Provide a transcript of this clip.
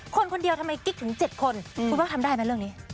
คนคนเดียวทำไมกิ๊กถึง๗คนคุณบ้างทำได้ไหมเรื่องนี้